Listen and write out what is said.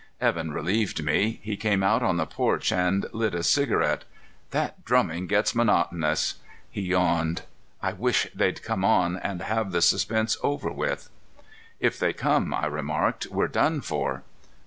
Evan relieved me. He came out on the porch and lit a cigarette. "That drumming gets monotonous." He yawned. "I wish they'd come on and have the suspense over with." "If they come," I remarked, "we're done for."